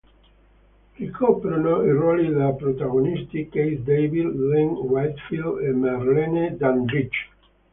Ricoprono i ruoli da protagonisti Keith David, Lynn Whitfield e Merle Dandridge.